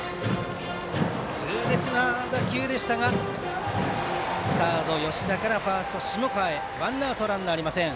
痛烈な打球でしたがサード、吉田からファーストの下川へ渡ってワンアウトランナーありません。